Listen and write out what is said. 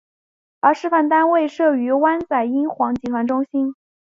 而示范单位设于湾仔英皇集团中心。